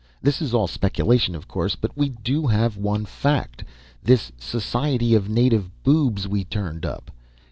This is all speculation, of course, but we do have one fact this Society of Native Boobs we turned up.